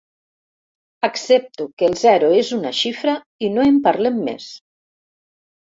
Accepto que el zero és una xifra i no en parlem més.